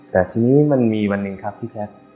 แต่ทีนี้มันมีวันหนึ่งครับพี่แจ๊ค